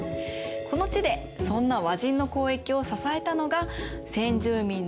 この地でそんな和人の交易を支えたのが先住民のアイヌでした。